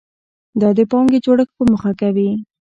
دا د پانګې جوړښت په موخه کوي.